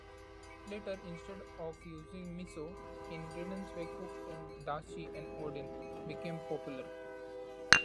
Later, instead of using miso, ingredients were cooked in dashi and oden became popular.